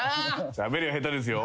しゃべりは下手ですよ。